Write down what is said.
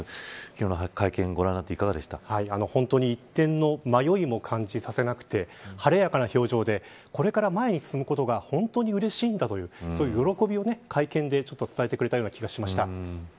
昨日の会見ご覧になって本当に１点の迷いも感じさせなくて晴れやかな表情でこれから前に進むことが本当にうれしいんだという喜びを会見でちょっと伝えてくれたような気がしました。